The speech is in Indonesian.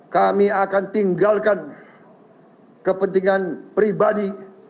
kami akan tinggalkan kepentingan pribadi